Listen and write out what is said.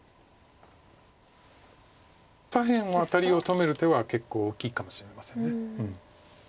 左辺はワタリを止める手は結構大きいかもしれません。